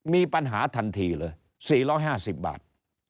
มีปัญหาทันทีเลย๔๕๐บาท